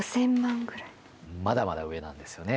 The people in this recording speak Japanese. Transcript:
まだまだ上なんですよね